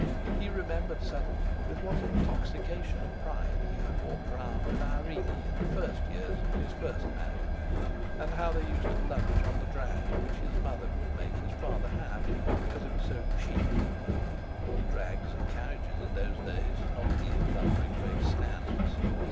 He remembered suddenly with what intoxication of pride he had walked round with Irene in the first years of his first marriage. And how they used to lunch on the drag which his mother would make his father have, because it was so "chic"—all drags and carriages in those days, not these lumbering great Stands!